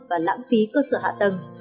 và lãng phí cơ sở hạ tầng